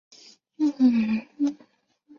毛果巴豆为大戟科巴豆属下的一个种。